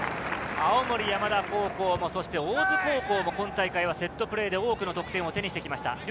青森山田高校も大津高校も今大会はセットプレーで多くの得点を手にしてきました。